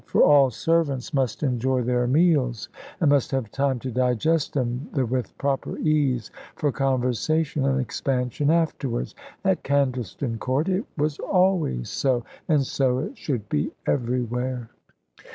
For all servants must enjoy their meals, and must have time to digest them with proper ease for conversation and expansion afterwards. At Candleston Court it was always so; and so it should be everywhere.